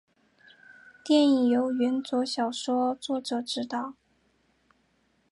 电影由原着小说作者执导。